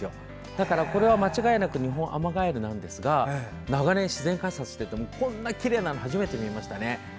だからこれは間違いなくニホンアマガエルなんですが長年、自然観察をしてもこんなにきれいなのは初めて見ましたね。